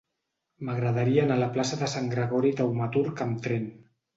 M'agradaria anar a la plaça de Sant Gregori Taumaturg amb tren.